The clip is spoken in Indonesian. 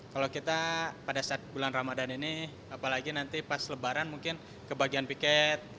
kalau kita pada saat bulan ramadan ini apalagi nanti pas lebaran mungkin kebagian piket